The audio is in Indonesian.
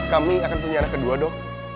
kami akan punya anak kedua dok